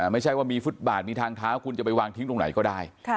ไม่ใช่ว่ามีฟุตบาทมีทางเท้าคุณจะไปวางทิ้งตรงไหนก็ได้